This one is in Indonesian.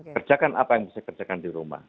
kerjakan apa yang bisa kerjakan di rumah